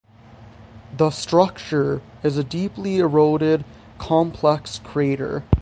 The Structure is a deeply eroded complex crater.